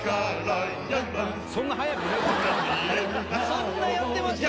そんなやってました？